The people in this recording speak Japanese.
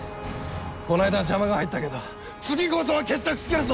「この間は邪魔が入ったけど次こそは決着つけるぞ」